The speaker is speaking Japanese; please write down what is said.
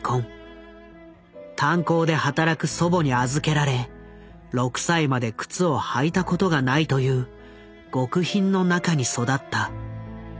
炭鉱で働く祖母に預けられ６歳まで靴を履いたことがないという極貧の中に育った。